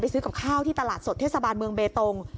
ซื้อกับข้าวที่ตลาดสดเทศบาลเมืองเบตง